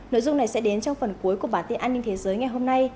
nội dung này sẽ đến trong phần cuối của bản tin an ninh thế giới ngày hôm nay